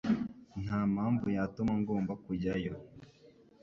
Nta mpamvu yatuma ngomba kujyayo.